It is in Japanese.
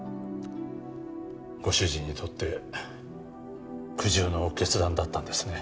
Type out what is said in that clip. ご主人にとって苦渋の決断だったんですね。